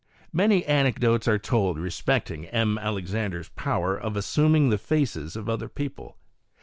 Many anecdotes are told respecting M. Alexandre's power of assuming the faces of other people.